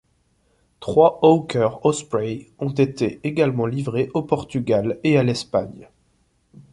Trois Hawker Osprey ont été également livrés au Portugal et à l'Espagne.